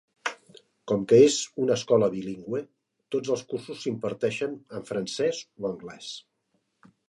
Com que és una escola bilingüe, tots els cursos s'imparteixen en francès o anglès.